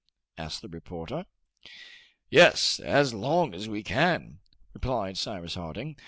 asked the reporter. "Yes, as long as we can," replied Cyrus Harding.